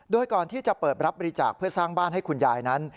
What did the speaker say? โดยก่อนที่จะเปิดรับบริจาคเพื่อสร้างบ้านให้คุณยายนั้น